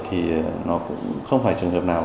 thì nó cũng không phải trường hợp nào